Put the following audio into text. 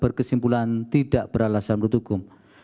berkesimpulan tidak beralasan menurut hukum